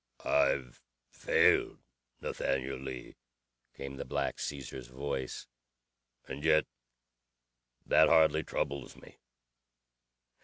"I've failed, Nathaniel Lee," came the Black Caesar's voice. "And yet that hardly troubles me.